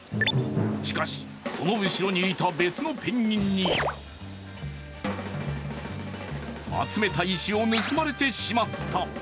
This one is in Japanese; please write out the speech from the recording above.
しかし、その後ろにいた別のペンギンに集めた石を盗まれてしまった。